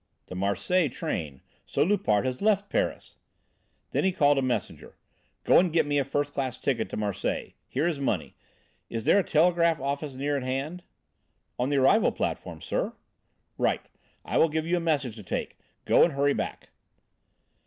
"The Marseilles train! So Loupart has left Paris!" Then he called a messenger. "Go and get me a first class ticket to Marseilles. Here is money. Is there a telegraph office near at hand?" "On the arrival platform, sir." "Right. I will give you a message to take; go and hurry back."